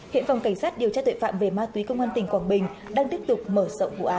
hiện phòng cảnh sát điều tra tội phạm về ma túy công an tỉnh quảng bình đang tiếp tục mở rộng vụ án